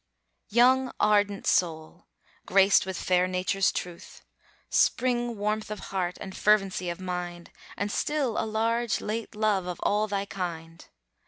Young ardent soul, graced with fair Nature's truth, Spring warmth of heart, and fervency of mind, And still a large late love of all thy kind.